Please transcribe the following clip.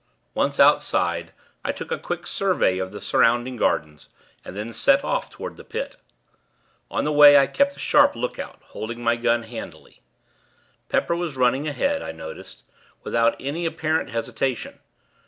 Once outside, I took a quick survey of the surrounding gardens, and then set off toward the Pit. On the way, I kept a sharp outlook, holding my gun, handily. Pepper was running ahead, I noticed, without any apparent hesitation.